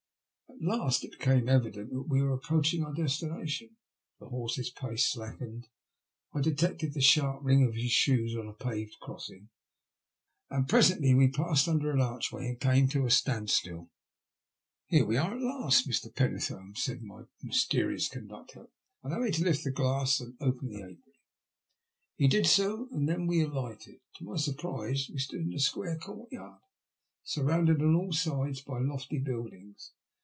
At last it became evident that we were approaching our destination. The horse's pace slackened ; I detected the sharp ring of his shoes on a paved crossing, and presently we passed under an archway and came to a standstill. Here we are at last, Mr. Pennethome," said my mysterious conductor. ''Allow me to lift the glass and open the apron." He did so, and then we alighted. To my surprise we stood in a square courtyard, surrounded on all sides by lofty buildings.